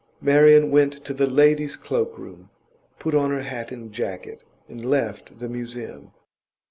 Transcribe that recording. Marian went to the ladies' cloak room, put on her hat and jacket, and left the Museum.